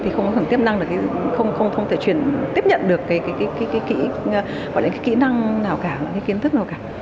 thì không thể tiếp nhận được cái kỹ năng nào cả cái kiến thức nào cả